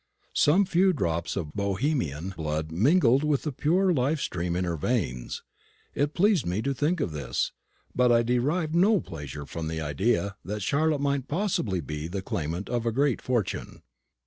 Some few drops of Bohemian blood mingled with the pure life stream in her veins. It pleased me to think of this; but I derived no pleasure from the idea that Charlotte might possibly be the claimant of a great fortune.